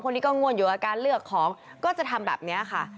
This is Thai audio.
นี้ก็ง่วนอยู่อาการเลือกของก็จะทำแบบนี้ค่ะ